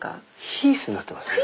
「ひーす」になってますね。